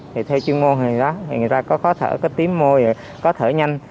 thì theo chuyên môn người ta có khó thở có tím môi có thở nhanh